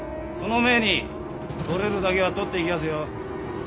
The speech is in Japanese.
その前に取れるだけは取っていきやすよ。